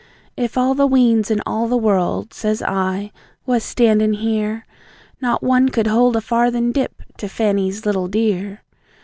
"If all the weans in all the world," says I, "was standin' here, Not one could hold a farthin' dip to Fanny's little dear!"